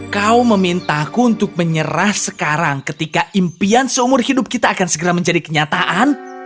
kau memintaku untuk menyerah sekarang ketika impian seumur hidup kita akan segera menjadi kenyataan